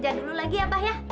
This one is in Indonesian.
sampai kerja dulu lagi ya bah ya